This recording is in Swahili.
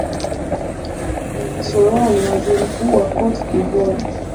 n soroh ni waziri mkuu wa cote divoire